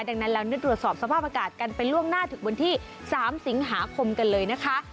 ดังนั้นเราเนื่องม์สบาปอากาศกันเป็นล่วงหน้าถึงบนที่๓สิงหาคมกันเลยนะคะ